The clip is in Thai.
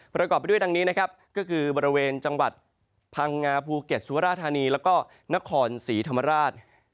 ประกอบไปด้วยดังนี้นะครับก็คือบริเวณจังหวัดพังงาภูเก็ตสุราธานีแล้วก็นครศรีธรรมราช